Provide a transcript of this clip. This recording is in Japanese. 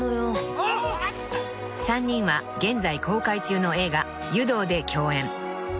［３人は現在公開中の映画『湯道』で共演］